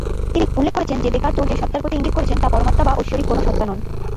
তিনি উল্লেখ করেছেন যে দেকার্ত যে সত্তার প্রতি ইঙ্গিত করেছেন তা পরমাত্মা বা ঐশ্বরিক কোনো সত্তা নন।